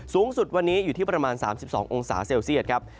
สูงสุดวันนี้อยู่ที่ประมาณ๓๒องศาเซลเซียตครับ